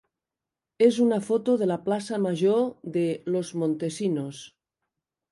és una foto de la plaça major de Los Montesinos.